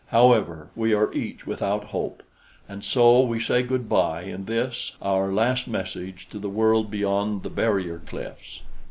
However, we are each without hope. And so we say good bye in this, our last message to the world beyond the barrier cliffs.